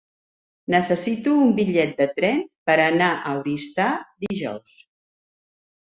Necessito un bitllet de tren per anar a Oristà dijous.